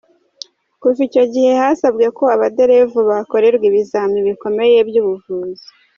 Kuva icyo gihe hasabwe ko abadelevu bakorerwa ibizami bikomeye by’ubuvuzi.